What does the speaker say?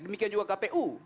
demikian juga kpu